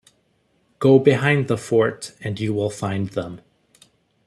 Go behind the fort and you will find them.